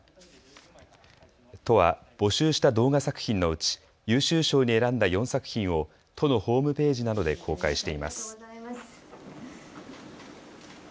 都は募集した動画作品のうち優秀賞に選んだ４作品を都のホームページなどで公開しています。